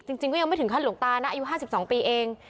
จริงก็ยังไม่ถึงขั้นหลวงตานะอายุ๕๒ปีเอง